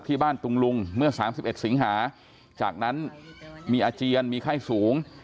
ที่บ้านตุงลุงเมื่อ๓๑สิงหาจากนั้นมีอาเจียนมีไข้สูง